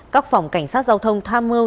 các phòng cảnh sát giao thông tham mưu